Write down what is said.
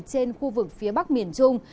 trên khu vực phía bắc miền trung